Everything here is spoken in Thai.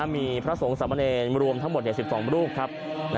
มีพระสงฆ์สามเนรรวมทั้งหมด๑๒รูปครับ